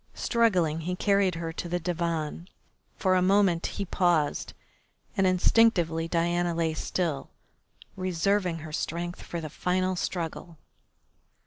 Struggling he carried her to the divan. For a moment he paused, and instinctively Diana lay still, reserving her strength for the final struggle.